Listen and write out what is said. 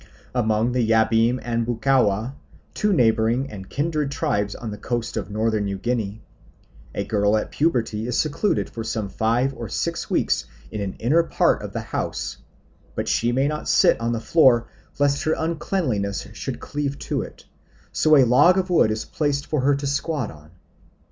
Among the Yabim and Bukaua, two neighbouring and kindred tribes on the coast of Northern New Guinea, a girl at puberty is secluded for some five or six weeks in an inner part of the house; but she may not sit on the floor, lest her uncleanliness should cleave to it, so a log of wood is placed for her to squat on.